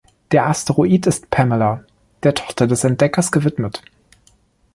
Der Asteroid ist "Pamela", der Tochter des Entdeckers, gewidmet.